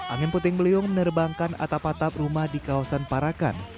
angin puting beliung menerbangkan atap atap rumah di kawasan parakan